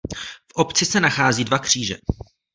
V obci se nachází dva kříže.